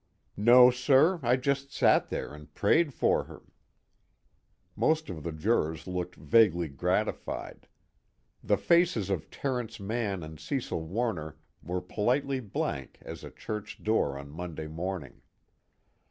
"No, sir, I just sat there and prayed for her." Most of the jurors looked vaguely gratified. The faces of Terence Mann and Cecil Warner were politely blank as a church door on Monday morning.